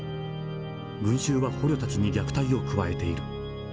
群衆は捕虜たちに虐待を加えている。